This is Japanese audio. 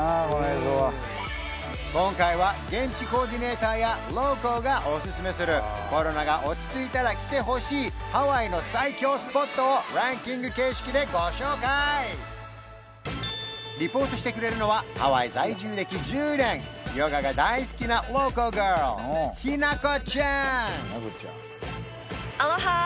今回は現地コーディネーターやロコがおすすめするコロナが落ち着いたら来てほしいハワイの最強スポットをランキング形式でご紹介リポートしてくれるのはハワイ在住歴１０年ヨガが大好きなロコガールヒナコちゃん